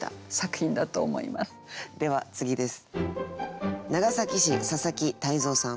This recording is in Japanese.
では次です。